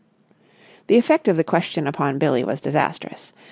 The effect of the question upon Billie was disastrous.